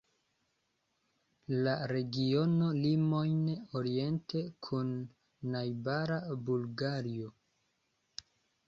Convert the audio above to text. La regiono limojn oriente kun najbara Bulgario.